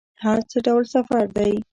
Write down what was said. حج څه ډول سفر دی؟